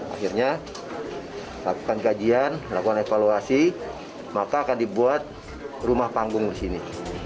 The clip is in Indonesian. akhirnya lakukan kajian lakukan evaluasi maka akan dibuat rumah panggung di sini